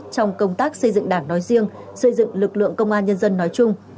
trong công tác xây dựng đảng nói riêng xây dựng lực lượng công an nhân dân nói chung